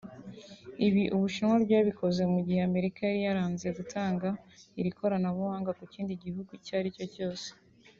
Ibi Ubushinwa bwabikoze mu gihe Amerika yari yaranze gutanga iri koranabuhanga ku kindi gihugu icyo aricyo cyose